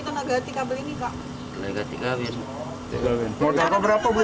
nggak ganti kabel